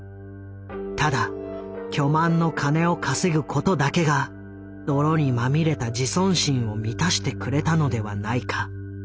ただ巨万の金を稼ぐことだけが泥にまみれた自尊心を満たしてくれたのではないか。